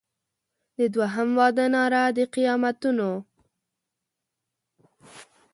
د دوهم واده ناره د قیامتونو